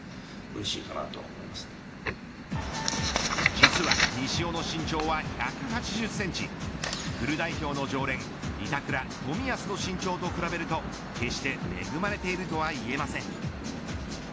実は西尾の身長は１８０センチフル代表の常連板倉、冨安の身長と比べると決して恵まれているとは言えません。